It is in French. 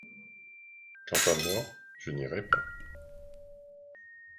Quant à moi, je n’irai pas.